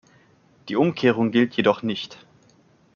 Die Umkehrung gilt jedoch nicht.